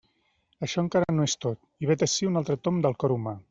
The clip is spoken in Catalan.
Això encara no és tot, i vet ací un altre tomb del cor humà.